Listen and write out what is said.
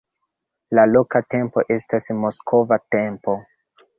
La loka tempo estas moskva tempo.